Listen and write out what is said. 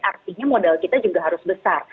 artinya modal kita juga harus besar